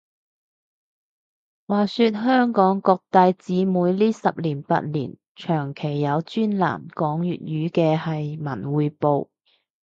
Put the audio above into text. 話說香港各大紙媒呢十年八年，長期有專欄講粵語嘅係文匯報